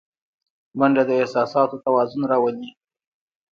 منډه د احساساتو توازن راولي